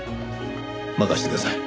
任せてください。